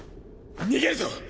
逃げるぞ！